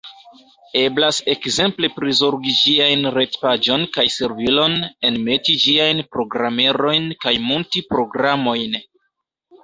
Eblas ekzemple prizorgi ĝiajn retpaĝon kaj servilon, enmeti ĝiajn programerojn kaj munti programojn.